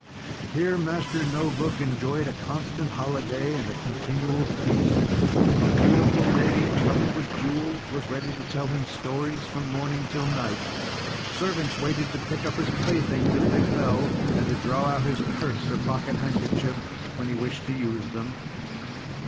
Here Master No Book enjoyed a constant holiday and a continual feast. A beautiful lady, covered with jewels, was ready to tell him stories from morning till night. Servants waited to pick up his playthings if they fell, and to draw out his purse or pocket handkerchief when he wished to use them.